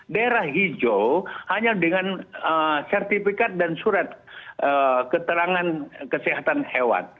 daerah hijau hanya dengan sertifikat dan surat keterangan kesehatan hewan